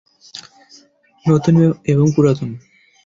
নতুন এবং পুরাতন।